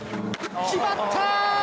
決まった！